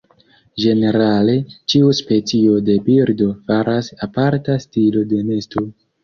Ĝenerale, ĉiu specio de birdo faras aparta stilo de nesto.